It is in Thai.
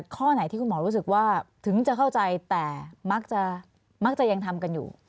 ข้อไหนที่คุณหมอรู้สึกว่าถึงจะเข้าใจแต่มักจะมักจะยังทำกันอยู่